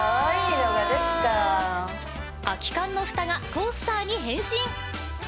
空き缶のふたがコースターに変身